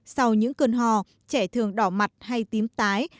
sau những cơn hò trẻ thường đỏ mặt hay tím tái